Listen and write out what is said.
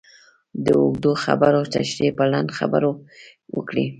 د اوږدو خبرو تشرېح په لنډو خبرو وکړئ.